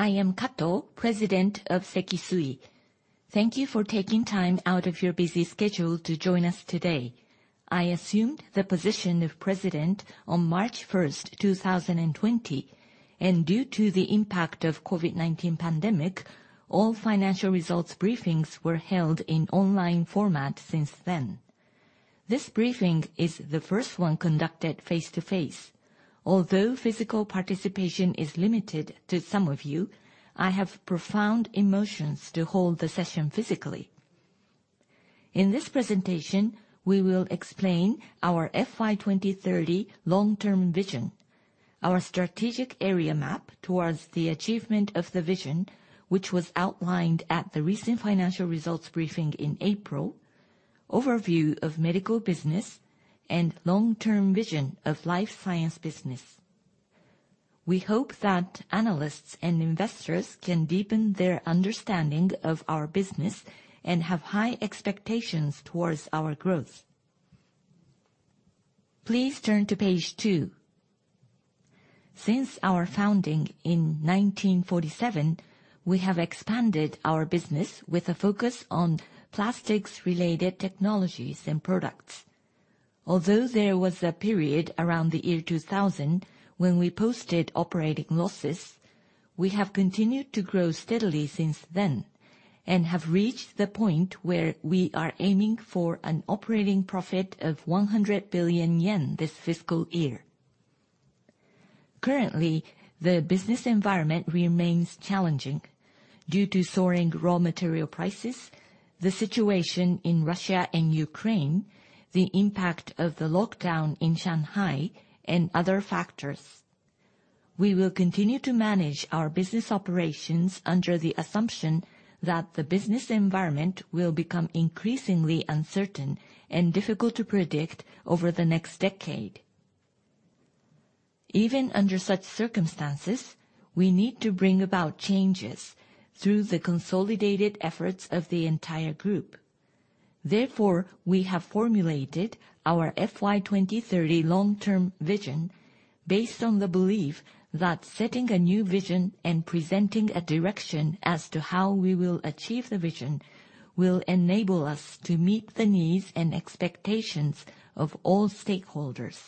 I am Kato, President of Sekisui. Thank you for taking time out of your busy schedule to join us today. I assumed the position of president on March 1, 2020, and due to the impact of COVID-19 pandemic, all financial results briefings were held in online format since then. This briefing is the first one conducted face-to-face. Although physical participation is limited to some of you, I have profound emotions to hold the session physically. In this presentation, we will explain our FY 2030 long-term vision, our strategic area map towards the achievement of the vision, which was outlined at the recent financial results briefing in April, overview of medical business, and long-term vision of life science business. We hope that analysts and investors can deepen their understanding of our business and have high expectations towards our growth. Please turn to page two. Since our founding in 1947, we have expanded our business with a focus on plastics-related technologies and products. Although there was a period around the year 2000 when we posted operating losses, we have continued to grow steadily since then and have reached the point where we are aiming for an operating profit of 100 billion yen this fiscal year. Currently, the business environment remains challenging due to soaring raw material prices, the situation in Russia and Ukraine, the impact of the lockdown in Shanghai, and other factors. We will continue to manage our business operations under the assumption that the business environment will become increasingly uncertain and difficult to predict over the next decade. Even under such circumstances, we need to bring about changes through the consolidated efforts of the entire group. Therefore, we have formulated our FY 2030 long-term vision based on the belief that setting a new vision and presenting a direction as to how we will achieve the vision will enable us to meet the needs and expectations of all stakeholders.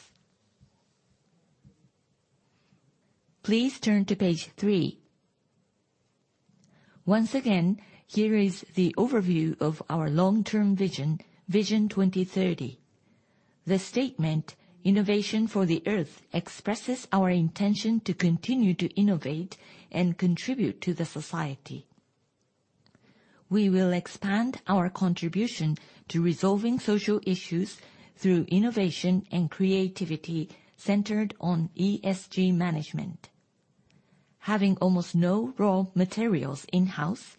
Please turn to page 3. Once again, here is the overview of our long-term vision, Vision 2030. The statement, "Innovation for the Earth," expresses our intention to continue to innovate and contribute to the society. We will expand our contribution to resolving social issues through innovation and creativity centered on ESG management. Having almost no raw materials in-house,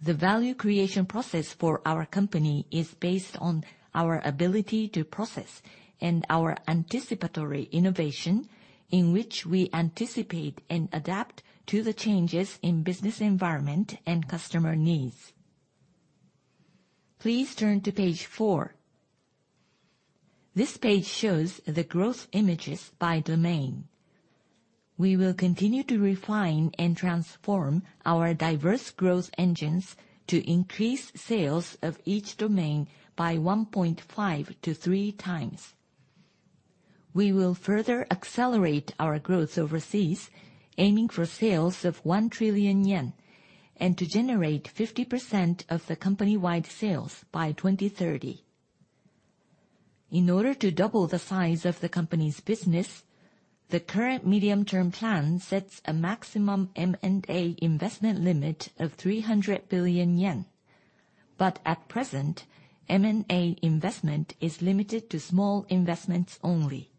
the value creation process for our company is based on our ability to process and our anticipatory innovation in which we anticipate and adapt to the changes in business environment and customer needs. Please turn to page 4. This page shows the growth images by domain. We will continue to refine and transform our diverse growth engines to increase sales of each domain by 1.5-3x. We will further accelerate our growth overseas, aiming for sales of 1 trillion yen, and to generate 50% of the company-wide sales by 2030. In order to double the size of the company's business, the current medium-term plan sets a maximum M&A investment limit of 300 billion yen. At present, M&A investment is limited to small investments only.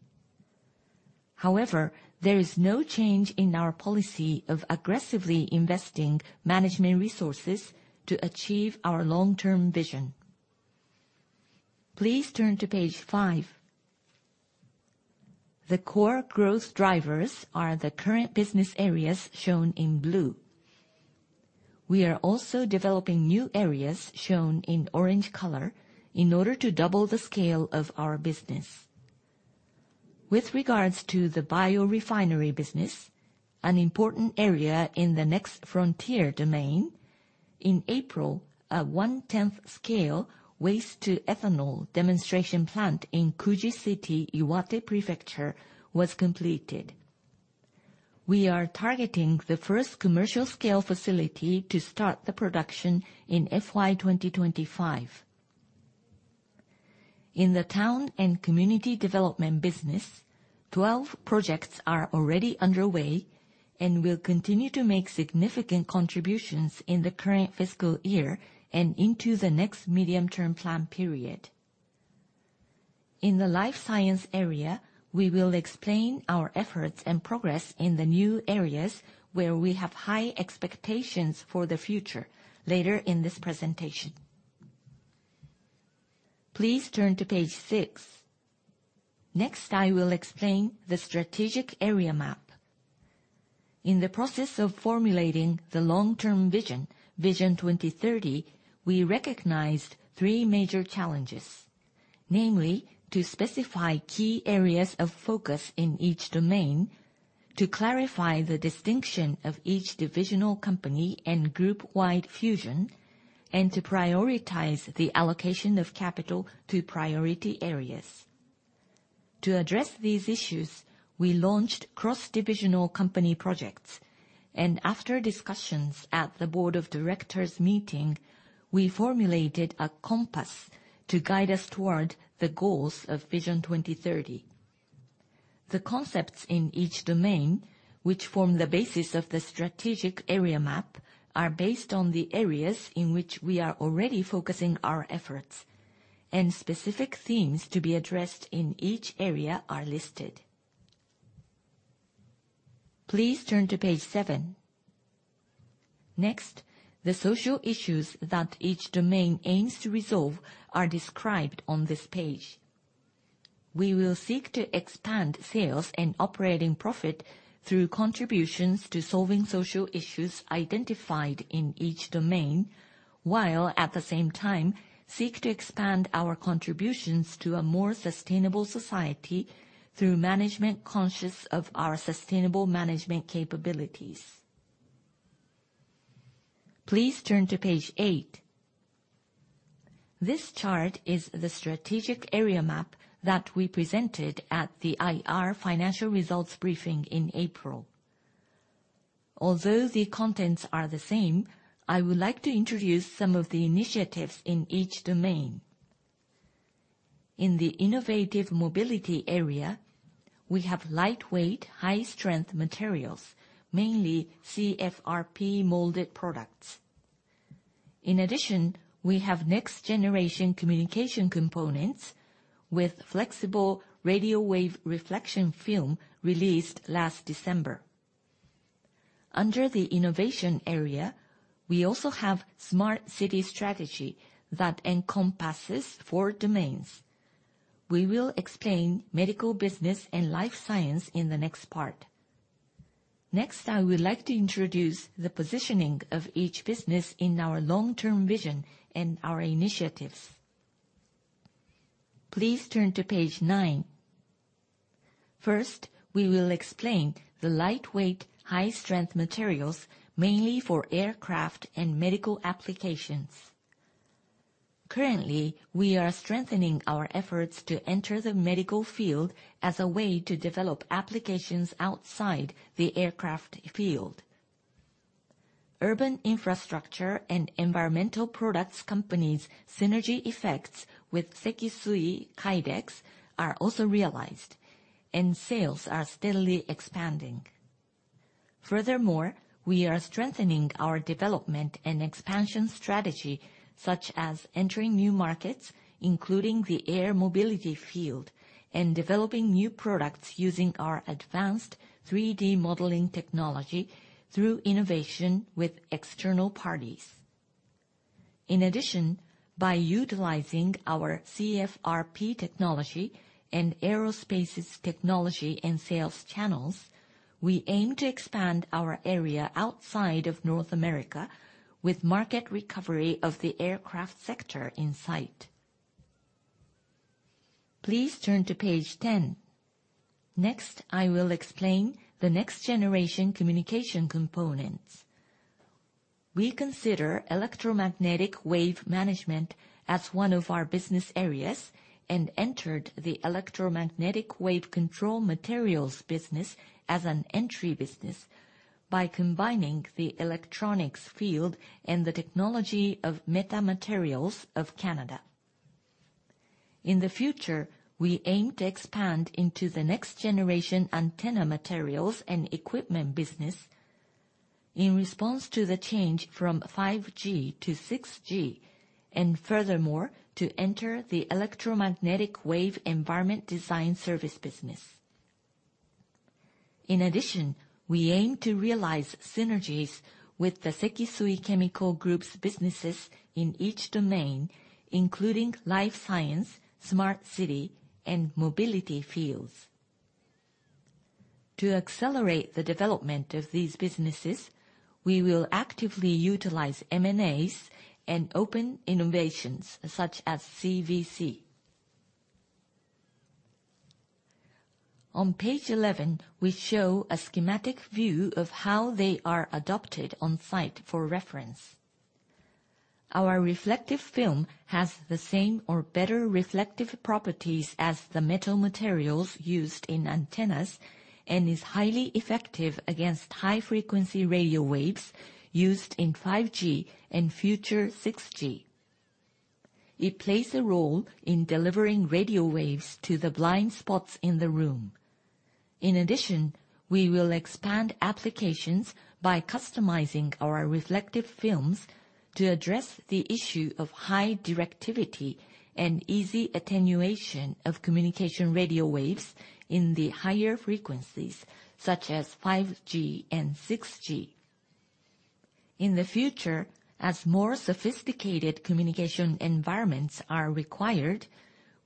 However, there is no change in our policy of aggressively investing management resources to achieve our long-term vision. Please turn to page 5. The core growth drivers are the current business areas shown in blue. We are also developing new areas shown in orange color in order to double the scale of our business. With regards to the biorefinery business, an important area in the next frontier domain, in April, a one-tenth scale waste to ethanol demonstration plant in Kuji City, Iwate Prefecture was completed. We are targeting the first commercial scale facility to start the production in FY 2025. In the town and community development business, 12 projects are already underway and will continue to make significant contributions in the current fiscal year and into the next medium-term plan period. In the life science area, we will explain our efforts and progress in the new areas where we have high expectations for the future later in this presentation. Please turn to page 6. Next, I will explain the strategic area map. In the process of formulating the long-term vision, Vision 2030, we recognized three major challenges, namely to specify key areas of focus in each domain, to clarify the distinction of each divisional company and group-wide fusion, and to prioritize the allocation of capital to priority areas. To address these issues, we launched cross-divisional company projects, and after discussions at the board of directors meeting, we formulated a compass to guide us toward the goals of Vision 2030. The concepts in each domain, which form the basis of the strategic area map, are based on the areas in which we are already focusing our efforts, and specific themes to be addressed in each area are listed. Please turn to page seven. Next, the social issues that each domain aims to resolve are described on this page. We will seek to expand sales and operating profit through contributions to solving social issues identified in each domain, while at the same time, seek to expand our contributions to a more sustainable society through management conscious of our sustainable management capabilities. Please turn to page 8. This chart is the strategic area map that we presented at the IR Financial Results Briefing in April. Although the contents are the same, I would like to introduce some of the initiatives in each domain. In the innovative mobility area, we have lightweight, high-strength materials, mainly CFRP molded products. In addition, we have next-generation communication components with flexible radio wave reflection film released last December. Under the innovation area, we also have smart city strategy that encompasses 4 domains. We will explain medical business and life science in the next part. Next, I would like to introduce the positioning of each business in our long-term vision and our initiatives. Please turn to page 9. First, we will explain the lightweight, high-strength materials, mainly for aircraft and medical applications. Currently, we are strengthening our efforts to enter the medical field as a way to develop applications outside the aircraft field. Urban Infrastructure and Environmental Products Company's synergy effects with SEKISUI KYDEX are also realized, and sales are steadily expanding. Furthermore, we are strengthening our development and expansion strategy, such as entering new markets, including the air mobility field, and developing new products using our advanced 3D modeling technology through innovation with external parties. In addition, by utilizing our CFRP technology and Sekisui Aerospace's technology and sales channels, we aim to expand our area outside of North America with market recovery of the aircraft sector in sight. Please turn to page 10. Next, I will explain the next-generation communication components. We consider electromagnetic wave management as one of our business areas and entered the electromagnetic wave control materials business as an entry business by combining the electronics field and the technology of metamaterials of Canada. In the future, we aim to expand into the next-generation antenna materials and equipment business in response to the change from 5G to 6G, and furthermore, to enter the electromagnetic wave environment design service business. In addition, we aim to realize synergies with the Sekisui Chemical Group's businesses in each domain, including life science, smart city, and mobility fields. To accelerate the development of these businesses, we will actively utilize M&As and open innovations such as CVC. On page 11, we show a schematic view of how they are adopted on-site for reference. Our reflective film has the same or better reflective properties as the metal materials used in antennas and is highly effective against high-frequency radio waves used in 5G and future 6G. It plays a role in delivering radio waves to the blind spots in the room. In addition, we will expand applications by customizing our reflective films to address the issue of high directivity and easy attenuation of communication radio waves in the higher frequencies, such as 5G and 6G. In the future, as more sophisticated communication environments are required,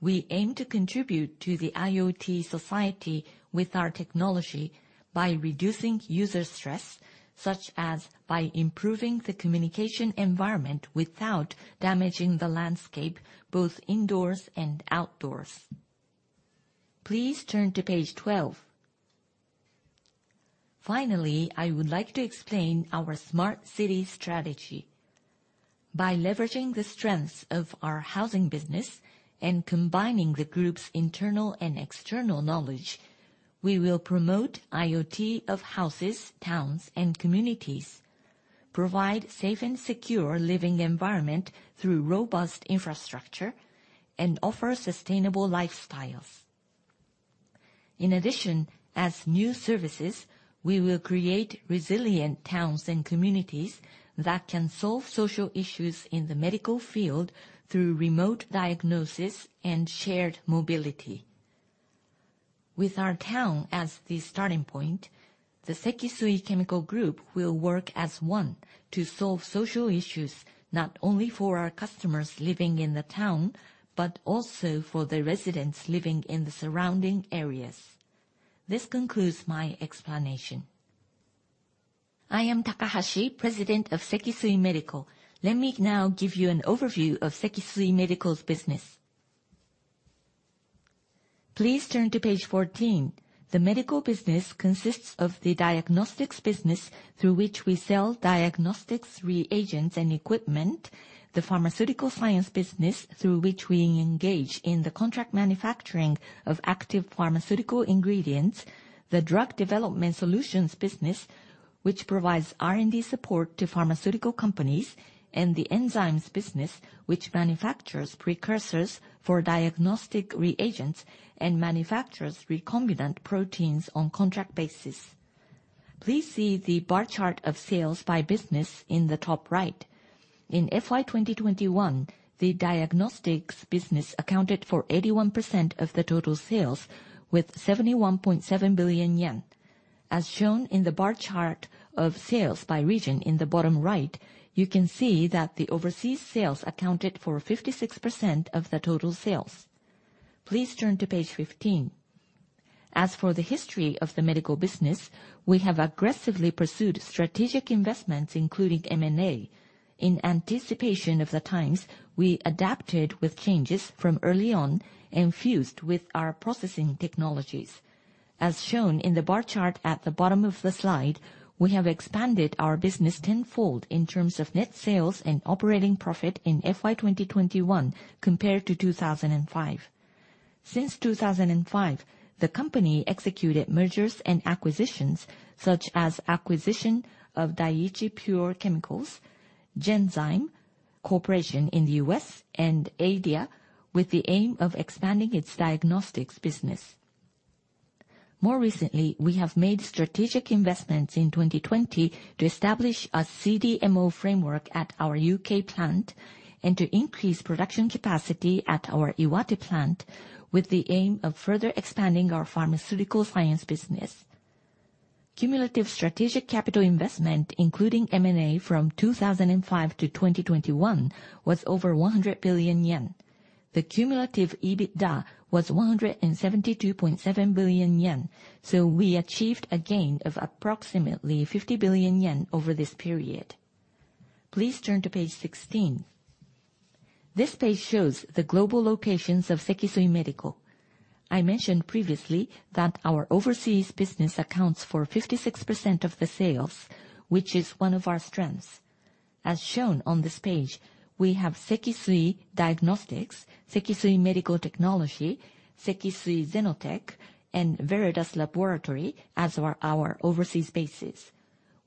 we aim to contribute to the IoT society with our technology by reducing user stress, such as by improving the communication environment without damaging the landscape, both indoors and outdoors. Please turn to page 12. Finally, I would like to explain our smart city strategy. By leveraging the strengths of our housing business and combining the group's internal and external knowledge, we will promote IoT of houses, towns, and communities, provide safe and secure living environment through robust infrastructure, and offer sustainable lifestyles. In addition, as new services, we will create resilient towns and communities that can solve social issues in the medical field through remote diagnosis and shared mobility. With our town as the starting point, the Sekisui Chemical Group will work as one to solve social issues, not only for our customers living in the town, but also for the residents living in the surrounding areas. This concludes my explanation. I am Takahashi, President of Sekisui Medical. Let me now give you an overview of Sekisui Medical's business. Please turn to page 14. The medical business consists of the diagnostics business through which we sell diagnostics reagents and equipment, the pharmaceutical science business through which we engage in the contract manufacturing of active pharmaceutical ingredients, the drug development solutions business, which provides R&D support to pharmaceutical companies, and the enzymes business, which manufactures precursors for diagnostic reagents and manufactures recombinant proteins on contract basis. Please see the bar chart of sales by business in the top right. In FY 2021, the diagnostics business accounted for 81% of the total sales, with 71.7 billion yen. As shown in the bar chart of sales by region in the bottom right, you can see that the overseas sales accounted for 56% of the total sales. Please turn to page 15. As for the history of the medical business, we have aggressively pursued strategic investments, including M&A. In anticipation of the times, we adapted with changes from early on and fused with our processing technologies. As shown in the bar chart at the bottom of the slide, we have expanded our business tenfold in terms of net sales and operating profit in FY 2021 compared to 2005. Since 2005, the company executed mergers and acquisitions such as acquisition of Daiichi Pure Chemicals, Genzyme Corporation in the US, and EIDIA, with the aim of expanding its diagnostics business. More recently, we have made strategic investments in 2020 to establish a CDMO framework at our UK plant and to increase production capacity at our Iwate plant with the aim of further expanding our pharmaceutical science business. Cumulative strategic capital investment, including M&A from 2005 to 2021, was over 100 billion yen. The cumulative EBITDA was 172.7 billion yen. We achieved a gain of approximately 50 billion yen over this period. Please turn to page 16. This page shows the global locations of Sekisui Medical. I mentioned previously that our overseas business accounts for 56% of the sales, which is one of our strengths. As shown on this page, we have Sekisui Diagnostics, Sekisui Medical Technology, Sekisui XenoTech, and Viridis BioPharma as our overseas bases.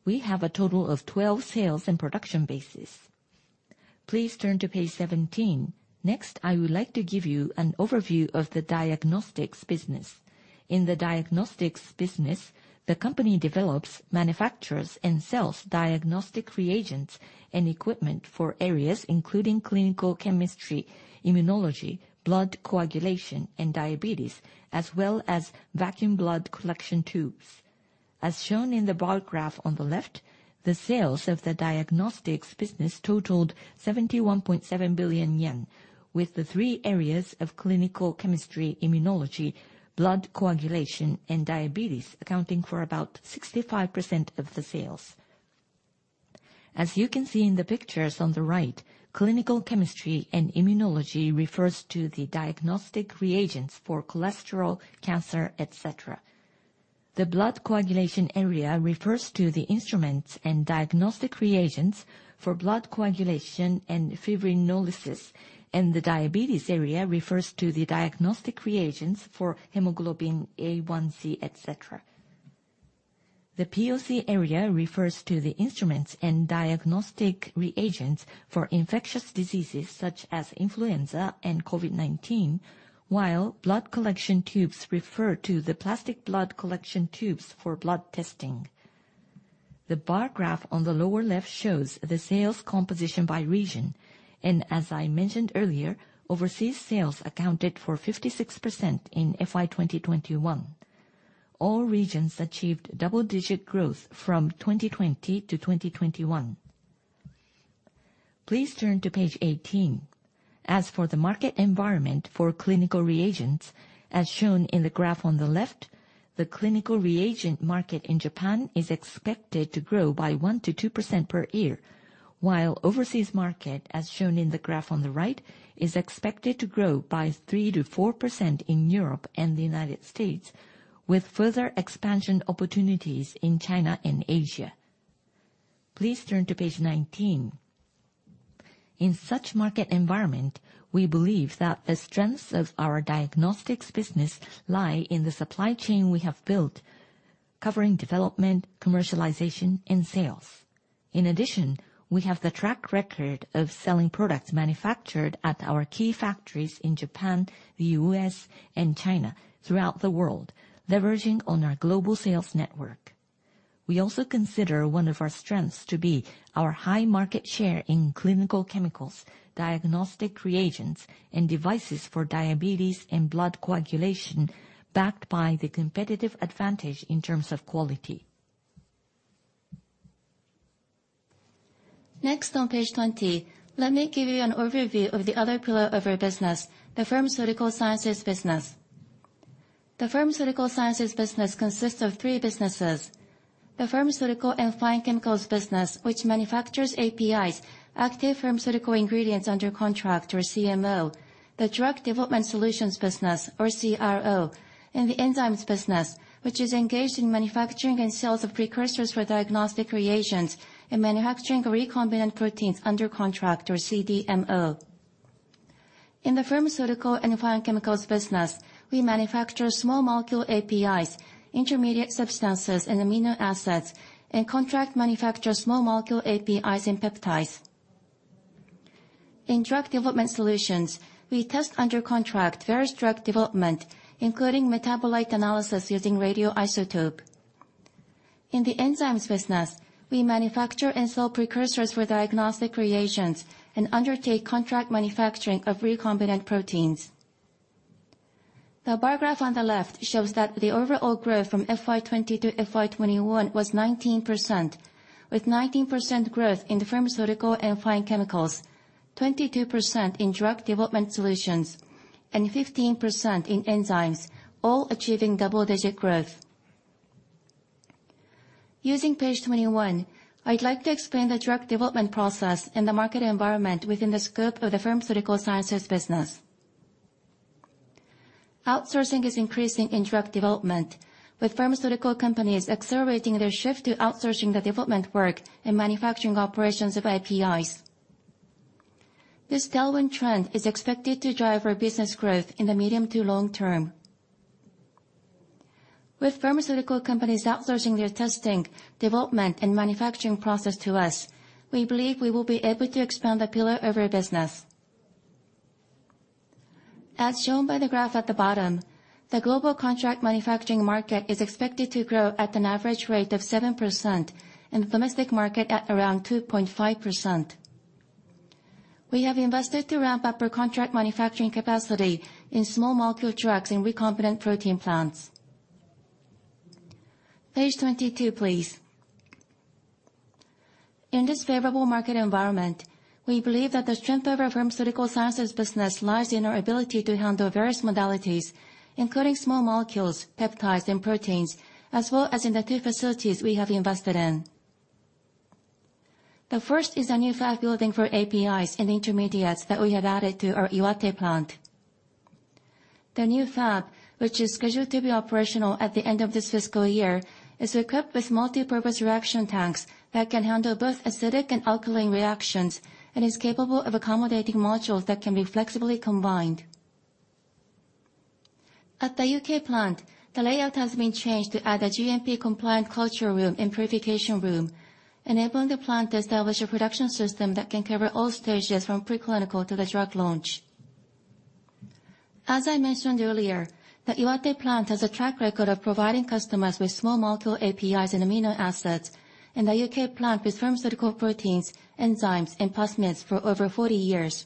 We have a total of 12 sales and production bases. Please turn to page 17. Next, I would like to give you an overview of the diagnostics business. In the diagnostics business, the company develops, manufactures, and sells diagnostic reagents and equipment for areas including clinical chemistry, immunology, blood coagulation, and diabetes, as well as vacuum blood collection tubes. As shown in the bar graph on the left, the sales of the diagnostics business totaled 71.7 billion yen, with the three areas of clinical chemistry, immunology, blood coagulation, and diabetes accounting for about 65% of the sales. As you can see in the pictures on the right, clinical chemistry and immunology refers to the diagnostic reagents for cholesterol, cancer, et cetera. The blood coagulation area refers to the instruments and diagnostic reagents for blood coagulation and fibrinolysis. The diabetes area refers to the diagnostic reagents for hemoglobin A1c, et cetera. The POC area refers to the instruments and diagnostic reagents for infectious diseases such as influenza and COVID-19, while blood collection tubes refer to the plastic blood collection tubes for blood testing. The bar graph on the lower left shows the sales composition by region. As I mentioned earlier, overseas sales accounted for 56% in FY 2021. All regions achieved double-digit growth from 2020 to 2021. Please turn to page 18. As for the market environment for clinical reagents, as shown in the graph on the left, the clinical reagent market in Japan is expected to grow by 1%-2% per year, while overseas market, as shown in the graph on the right, is expected to grow by 3%-4% in Europe and the United States, with further expansion opportunities in China and Asia. Please turn to page 19. In such market environment, we believe that the strengths of our diagnostics business lie in the supply chain we have built, covering development, commercialization, and sales. In addition, we have the track record of selling products manufactured at our key factories in Japan, the U.S., and China throughout the world, leveraging on our global sales network. We also consider one of our strengths to be our high market share in clinical chemicals, diagnostic reagents, and devices for diabetes and blood coagulation, backed by the competitive advantage in terms of quality. Next on page 20, let me give you an overview of the other pillar of our business, the pharmaceutical sciences business. The pharmaceutical sciences business consists of three businesses. The pharmaceutical and fine chemicals business, which manufactures APIs, Active Pharmaceutical Ingredients under contract or CMO. The drug development solutions business or CRO, and the enzymes business, which is engaged in manufacturing and sales of precursors for diagnostic reagents and manufacturing recombinant proteins under contract or CDMO. In the pharmaceutical and fine chemicals business, we manufacture small molecule APIs, intermediate substances and amino acids, and contract manufacture small molecule APIs and peptides. In drug development solutions, we test under contract various drug development, including metabolite analysis using radioisotope. In the enzymes business, we manufacture and sell precursors for diagnostic reagents and undertake contract manufacturing of recombinant proteins. The bar graph on the left shows that the overall growth from FY 2020 to FY 2021 was 19%, with 19% growth in the pharmaceutical and fine chemicals, 22% in drug development solutions, and 15% in enzymes, all achieving double-digit growth. Using page 21, I'd like to explain the drug development process and the market environment within the scope of the pharmaceutical sciences business. Outsourcing is increasing in drug development, with pharmaceutical companies accelerating their shift to outsourcing the development work and manufacturing operations of APIs. This tailwind trend is expected to drive our business growth in the medium to long term. With pharmaceutical companies outsourcing their testing, development, and manufacturing process to us, we believe we will be able to expand the pillar of our business. As shown by the graph at the bottom, the global contract manufacturing market is expected to grow at an average rate of 7% and the domestic market at around 2.5%. We have invested to ramp up our contract manufacturing capacity in small molecule drugs and recombinant protein plants. Page 22, please. In this favorable market environment, we believe that the strength of our pharmaceutical sciences business lies in our ability to handle various modalities, including small molecules, peptides, and proteins, as well as in the two facilities we have invested in. The first is a new fab building for APIs and intermediates that we have added to our Iwate plant. The new fab, which is scheduled to be operational at the end of this fiscal year, is equipped with multipurpose reaction tanks that can handle both acidic and alkaline reactions and is capable of accommodating modules that can be flexibly combined. At the UK plant, the layout has been changed to add a GMP-compliant culture room and purification room, enabling the plant to establish a production system that can cover all stages from pre-clinical to the drug launch. As I mentioned earlier, the Iwate plant has a track record of providing customers with small molecule APIs and amino acids, and the UK plant with pharmaceutical proteins, enzymes, and plasmids for over 40 years.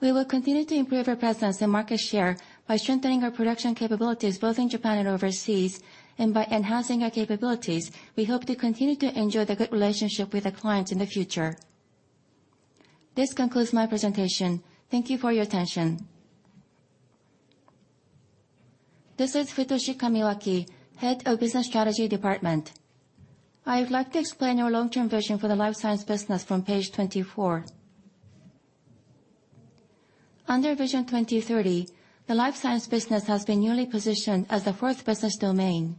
We will continue to improve our presence and market share by strengthening our production capabilities both in Japan and overseas, and by enhancing our capabilities, we hope to continue to enjoy the good relationship with the clients in the future. This concludes my presentation. Thank you for your attention. This is Futoshi Kamiwaki, Head of Business Strategy Department. I would like to explain our long-term vision for the life science business from page 24. Under Vision 2030, the life science business has been newly positioned as the fourth business domain.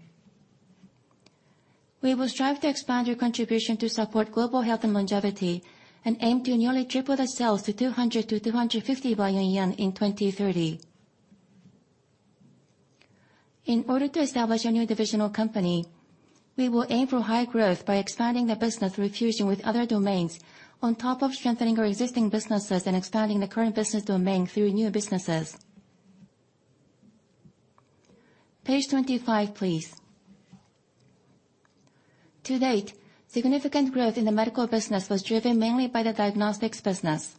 We will strive to expand our contribution to support global health and longevity and aim to nearly triple the sales to 200 billion-250 billion yen in 2030. In order to establish a new divisional company, we will aim for high growth by expanding the business through fusion with other domains on top of strengthening our existing businesses and expanding the current business domain through new businesses. Page 25, please. To date, significant growth in the medical business was driven mainly by the diagnostics business.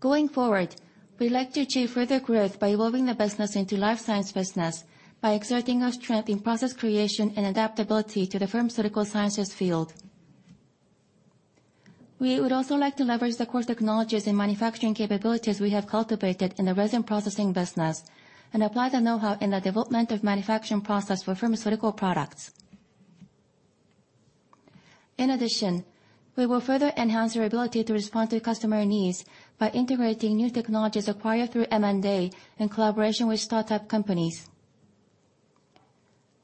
Going forward, we'd like to achieve further growth by evolving the business into life science business by exerting our strength in process creation and adaptability to the pharmaceutical sciences field. We would also like to leverage the core technologies and manufacturing capabilities we have cultivated in the resin processing business and apply the know-how in the development of manufacturing process for pharmaceutical products. In addition, we will further enhance our ability to respond to customer needs by integrating new technologies acquired through M&A in collaboration with startup companies.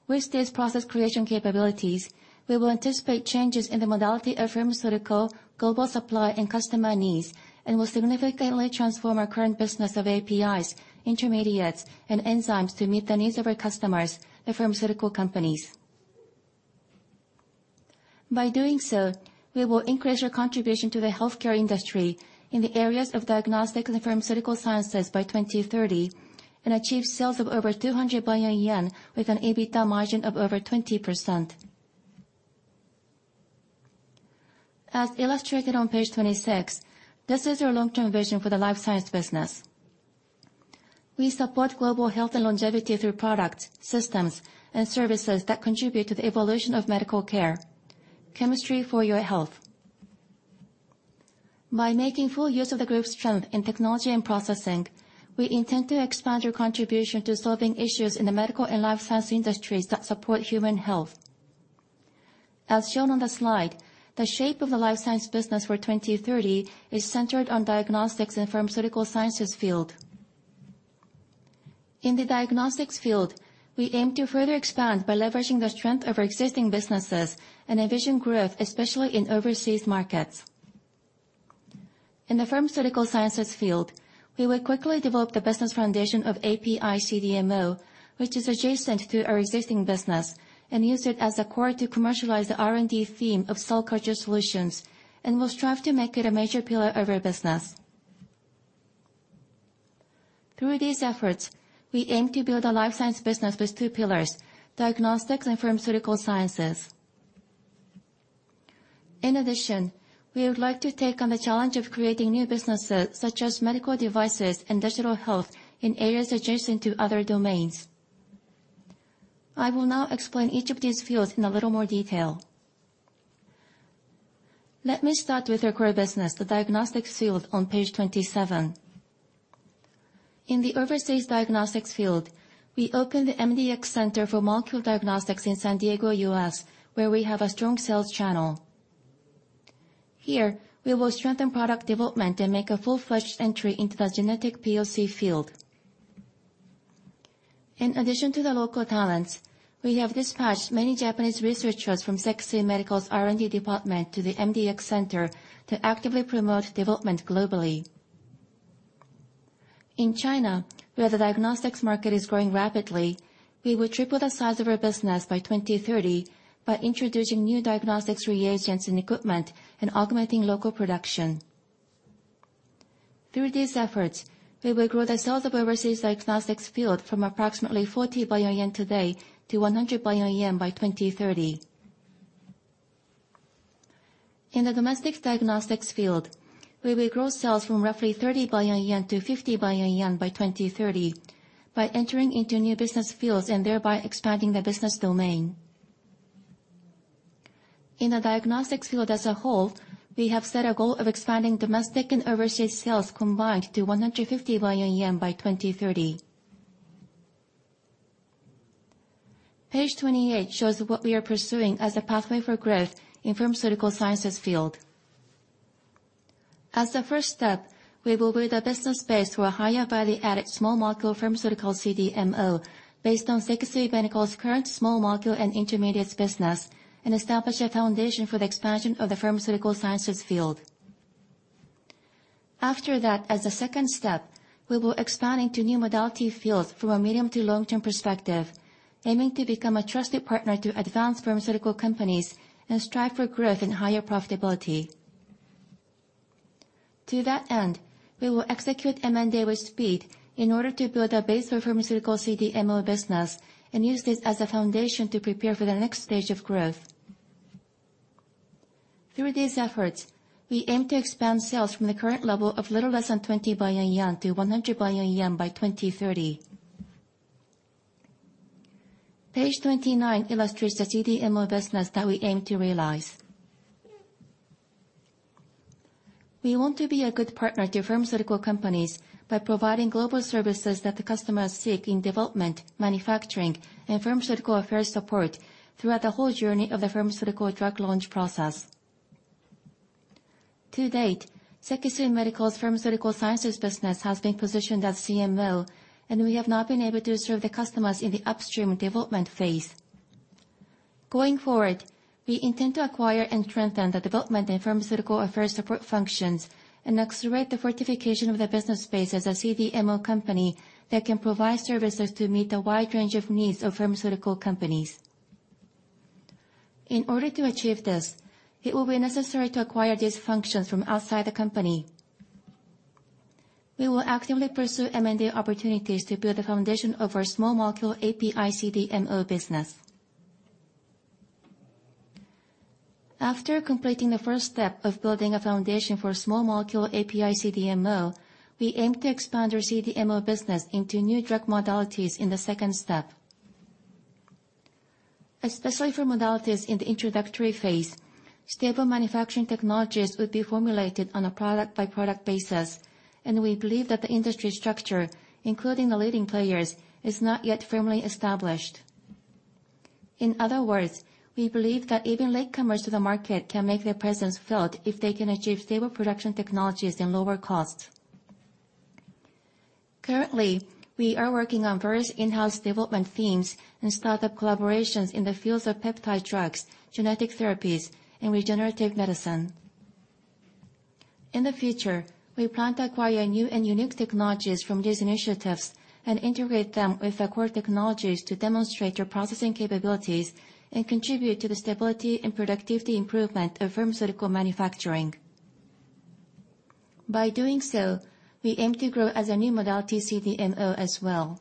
With this process creation capabilities, we will anticipate changes in the modality of pharmaceutical, global supply, and customer needs, and will significantly transform our current business of APIs, intermediates, and enzymes to meet the needs of our customers, the pharmaceutical companies. By doing so, we will increase our contribution to the healthcare industry in the areas of diagnostic and pharmaceutical sciences by 2030, and achieve sales of over 200 billion yen with an EBITDA margin of over 20%. As illustrated on page 26, this is our long-term vision for the life science business. We support global health and longevity through products, systems, and services that contribute to the evolution of medical care. Chemistry for your health. By making full use of the group's strength in technology and processing, we intend to expand our contribution to solving issues in the medical and life science industries that support human health. As shown on the slide, the shape of the life science business for 2030 is centered on diagnostics and pharmaceutical sciences field. In the diagnostics field, we aim to further expand by leveraging the strength of our existing businesses, and envision growth, especially in overseas markets. In the pharmaceutical sciences field, we will quickly develop the business foundation of API CDMO, which is adjacent to our existing business, and use it as a core to commercialize the R&D theme of cell culture solutions, and will strive to make it a major pillar of our business. Through these efforts, we aim to build a life science business with two pillars, diagnostics and pharmaceutical sciences. In addition, we would like to take on the challenge of creating new businesses, such as medical devices and digital health in areas adjacent to other domains. I will now explain each of these fields in a little more detail. Let me start with our core business, the diagnostics field, on page 27. In the overseas diagnostics field, we opened the MDx Center for Molecular Diagnostics in San Diego, U.S., where we have a strong sales channel. Here, we will strengthen product development and make a full-fledged entry into the genetic POC field. In addition to the local talents, we have dispatched many Japanese researchers from Sekisui Medical's R&D department to the MDx Center to actively promote development globally. In China, where the diagnostics market is growing rapidly, we will triple the size of our business by 2030 by introducing new diagnostics reagents and equipment and augmenting local production. Through these efforts, we will grow the sales of overseas diagnostics field from approximately 40 billion yen today to 100 billion yen by 2030. In the domestic diagnostics field, we will grow sales from roughly 30 billion yen to 50 billion yen by 2030 by entering into new business fields and thereby expanding the business domain. In the diagnostics field as a whole, we have set a goal of expanding domestic and overseas sales combined to 150 billion yen by 2030. Page 28 shows what we are pursuing as a pathway for growth in pharmaceutical sciences field. As the first step, we will build a business base for a higher value-added small molecule pharmaceutical CDMO based on Sekisui Medical's current small molecule and intermediates business, and establish a foundation for the expansion of the pharmaceutical sciences field. After that, as a second step, we will expand into new modality fields from a medium to long-term perspective, aiming to become a trusted partner to advanced pharmaceutical companies and strive for growth and higher profitability. To that end, we will execute M&A with speed in order to build a base for pharmaceutical CDMO business and use this as a foundation to prepare for the next stage of growth. Through these efforts, we aim to expand sales from the current level of little less than 20 billion yen to 100 billion yen by 2030. Page 29 illustrates the CDMO business that we aim to realize. We want to be a good partner to pharmaceutical companies by providing global services that the customers seek in development, manufacturing, and pharmaceutical affairs support throughout the whole journey of the pharmaceutical drug launch process. To date, Sekisui Medical's pharmaceutical sciences business has been positioned as CMO, and we have not been able to serve the customers in the upstream development phase. Going forward, we intend to acquire and strengthen the development in pharmaceutical affairs support functions, and accelerate the fortification of the business space as a CDMO company that can provide services to meet the wide range of needs of pharmaceutical companies. In order to achieve this, it will be necessary to acquire these functions from outside the company. We will actively pursue M&A opportunities to build a foundation of our small molecule API CDMO business. After completing the first step of building a foundation for small molecule API CDMO, we aim to expand our CDMO business into new drug modalities in the second step. Especially for modalities in the introductory phase, stable manufacturing technologies would be formulated on a product-by-product basis, and we believe that the industry structure, including the leading players, is not yet firmly established. In other words, we believe that even latecomers to the market can make their presence felt if they can achieve stable production technologies and lower costs. Currently, we are working on various in-house development themes and startup collaborations in the fields of peptide drugs, genetic therapies, and regenerative medicine. In the future, we plan to acquire new and unique technologies from these initiatives and integrate them with our core technologies to demonstrate their processing capabilities and contribute to the stability and productivity improvement of pharmaceutical manufacturing. By doing so, we aim to grow as a new modality CDMO as well.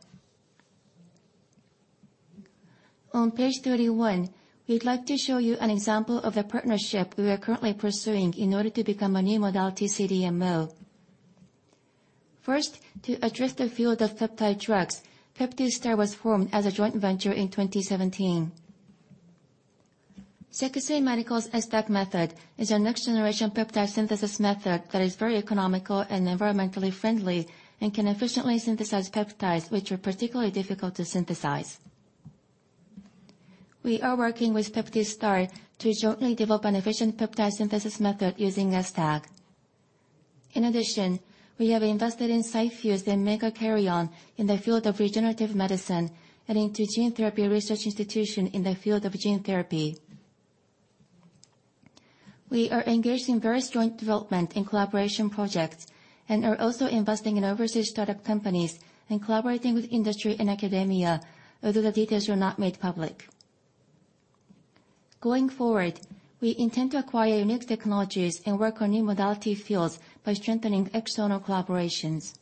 On page 31, we'd like to show you an example of a partnership we are currently pursuing in order to become a new modality CDMO. First, to address the field of peptide drugs, PeptiStar was formed as a joint venture in 2017. Sekisui Medical's STag method is a next-generation peptide synthesis method that is very economical and environmentally friendly and can efficiently synthesize peptides which are particularly difficult to synthesize. We are working with PeptiStar to jointly develop an efficient peptide synthesis method using STag. In addition, we have invested in Cyfuse and MegaKaryon in the field of regenerative medicine and into Gene Therapy Research Institution in the field of gene therapy. We are engaged in various joint development and collaboration projects and are also investing in overseas startup companies and collaborating with industry and academia, although the details were not made public. Going forward, we intend to acquire unique technologies and work on new modality fields by strengthening external collaborations.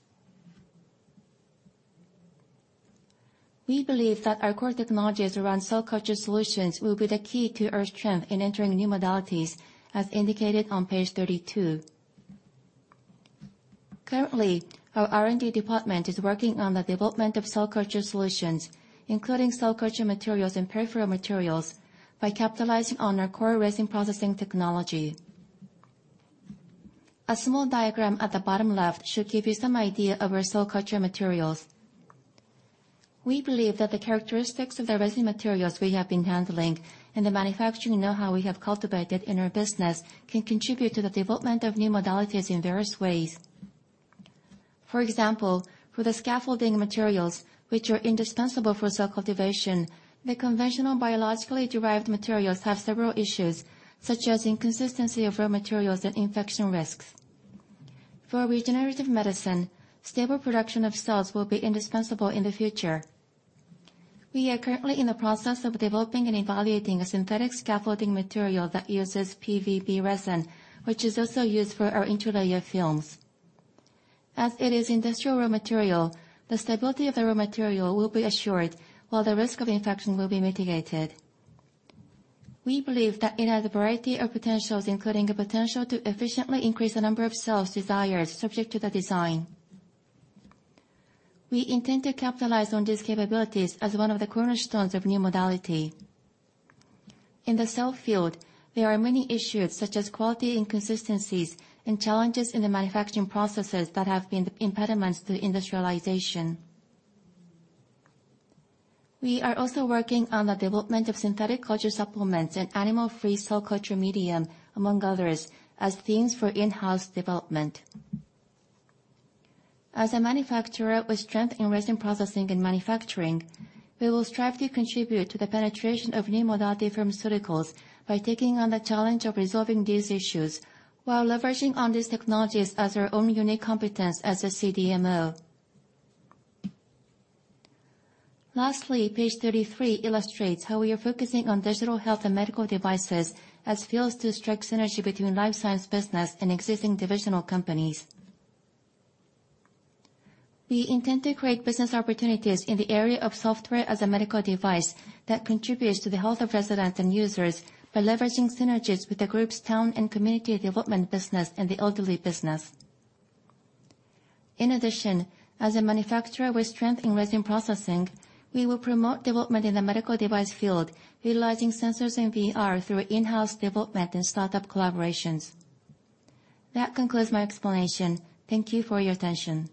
We believe that our core technologies around cell culture solutions will be the key to our strength in entering new modalities, as indicated on page 32. Currently, our R&D department is working on the development of cell culture solutions, including cell culture materials and peripheral materials, by capitalizing on our core resin processing technology. A small diagram at the bottom left should give you some idea of our cell culture materials. We believe that the characteristics of the resin materials we have been handling and the manufacturing know-how we have cultivated in our business can contribute to the development of new modalities in various ways. For example, for the scaffolding materials, which are indispensable for cell cultivation, the conventional biologically derived materials have several issues, such as inconsistency of raw materials and infection risks. For regenerative medicine, stable production of cells will be indispensable in the future. We are currently in the process of developing and evaluating a synthetic scaffolding material that uses PVB resin, which is also used for our interlayer films. As it is industrial raw material, the stability of the raw material will be assured while the risk of infection will be mitigated. We believe that it has a variety of potentials, including a potential to efficiently increase the number of cells desired subject to the design. We intend to capitalize on these capabilities as one of the cornerstones of new modality. In the cell field, there are many issues, such as quality inconsistencies and challenges in the manufacturing processes that have been impediments to industrialization. We are also working on the development of synthetic culture supplements and animal-free cell culture medium, among others, as themes for in-house development. As a manufacturer with strength in resin processing and manufacturing, we will strive to contribute to the penetration of new modality pharmaceuticals by taking on the challenge of resolving these issues while leveraging on these technologies as our own unique competence as a CDMO. Lastly, page 33 illustrates how we are focusing on digital health and medical devices as fields to strike synergy between life science business and existing divisional companies. We intend to create business opportunities in the area of software as a medical device that contributes to the health of residents and users by leveraging synergies with the group's town and community development business and the elderly business. In addition, as a manufacturer with strength in resin processing, we will promote development in the medical device field, utilizing sensors and VR through in-house development and startup collaborations. That concludes my explanation. Thank you for your attention.